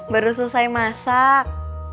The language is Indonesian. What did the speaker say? baru selesai masak